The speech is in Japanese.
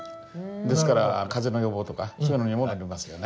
ですから風邪の予防とかそういうのにもなりますよね。